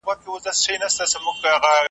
نه خرقه پوش نه پر منبر د پرهېز لاپي کوي .